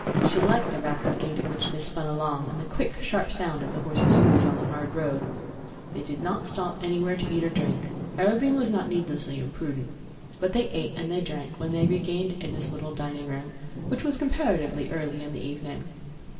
She liked the rapid gait at which they spun along, and the quick, sharp sound of the horses' hoofs on the hard road. They did not stop anywhere to eat or to drink. Arobin was not needlessly imprudent. But they ate and they drank when they regained Edna's little dining room—which was comparatively early in the evening.